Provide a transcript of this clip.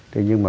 thế nhưng mà